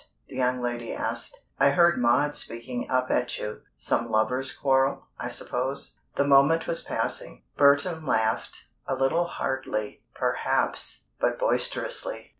the young lady asked. "I heard Maud speaking up at you. Some lovers' quarrel, I suppose?" The moment was passing. Burton laughed a little hardly, perhaps, but boisterously.